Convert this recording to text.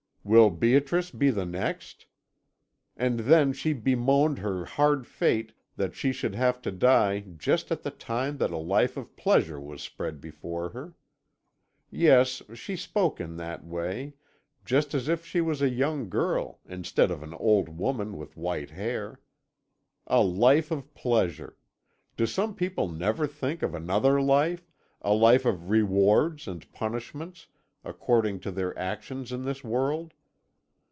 Will Beatrice be the next?' "And then she bemoaned her hard fate that she should have to die just at the time that a life of pleasure was spread before her. Yes, she spoke in that way, just as if she was a young girl, instead of an old woman with white hair. A life of pleasure! Do some people never think of another life, a life of rewards and punishments, according to their actions in this world?